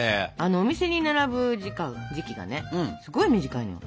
お店に並ぶ時期がねすごい短いのよ。